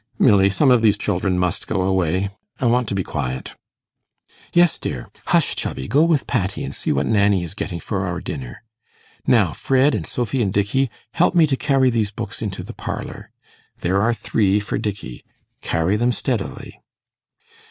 'Milly, some of these children must go away. I want to be quiet.' 'Yes, dear. Hush, Chubby; go with Patty, and see what Nanny is getting for our dinner. Now, Fred and Sophy and Dickey, help me to carry these books into the parlour. There are three for Dickey. Carry them steadily.